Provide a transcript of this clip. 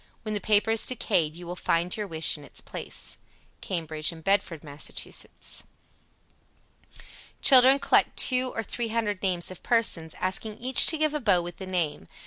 When the paper is decayed you will find your wish in its place. Cambridge and Bedford, Mass. 77. Children collect two or three hundred names of persons, asking each to give a bow with the name.